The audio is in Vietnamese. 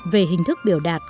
về hình thức biểu đạt